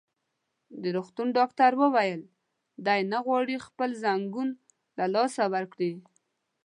د روغتون ډاکټر وویل: دی نه غواړي خپل ځنګون له لاسه ورکړي.